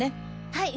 はい。